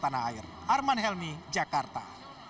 arman helmy jakarta